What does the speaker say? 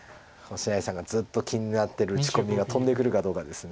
星合さんがずっと気になってる打ち込みが飛んでくるかどうかです。